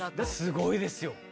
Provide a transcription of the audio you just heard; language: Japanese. すごいですよ！